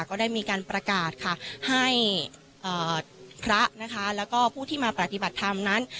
ก็ได้มีการประกาศค่ะให้พระนะคะแล้วก็ผู้ที่มาปฏิบัติธรรมนั้น